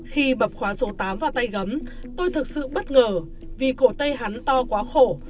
khi bập khóa số tám vào tay gấm tôi thực sự bất ngờ vì cổ tay hắn to quá khổ